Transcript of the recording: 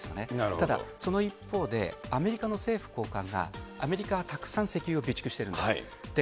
ただ、その一方で、アメリカの政府高官が、アメリカはたくさん石油を備蓄してるんです。